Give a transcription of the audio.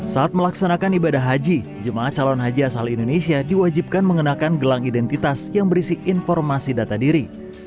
saat melaksanakan ibadah haji jemaah calon haji asal indonesia diwajibkan mengenakan gelang identitas yang berisi informasi data diri